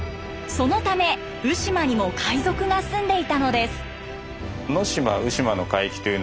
そのため鵜島にも海賊が住んでいたのです。